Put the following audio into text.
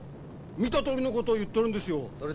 見たとおりのことを言っとるんですよ。